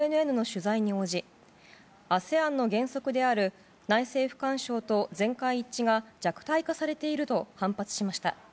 この決定についてミャンマー軍の報道官はＮＮＮの取材に応じＡＳＥＡＮの原則である内政不干渉と全会一致が弱体化されていると反発しました。